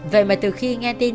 vậy mà từ khi nghe tin